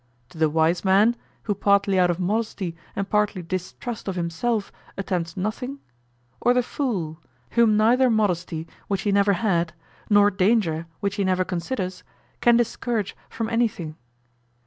To the wise man, who partly out of modesty and partly distrust of himself, attempts nothing; or the fool, whom neither modesty which he never had, nor danger which he never considers, can discourage from anything?